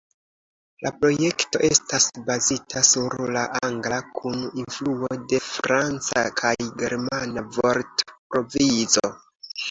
La projekto estas bazita sur la angla kun influo de franca kaj germana vortprovizo.